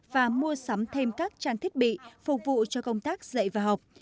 và mua sắm thêm các trang thiết bị phục vụ cho công tác dạy và học